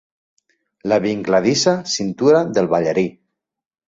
La vincladissa cintura del ballarí.